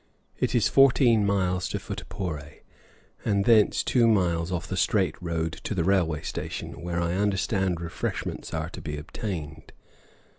It is fourteen miles to Futtehpore, and thence two miles off the straight road to the railway station, where I understand refreshments are to be obtained.